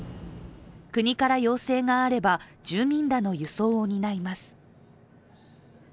国から要請があれば住民らの輸送を担います。